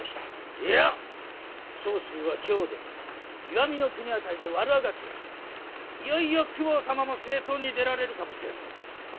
いや長州は京を出て石見国辺りで悪あがきをしておりいよいよ公方様も征討に出られるかもしれぬ。